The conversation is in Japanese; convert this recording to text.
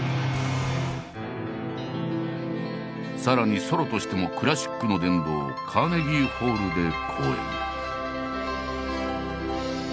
さらにソロとしてもクラシックの殿堂カーネギー・ホールで公演。